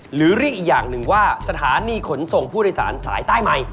หรือเรียกอีกอย่างหนึ่งว่าสถานีขนส่งผู้โดยสารสายใต้ใหม่